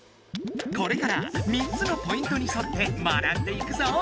これから３つのポイントにそって学んでいくぞ！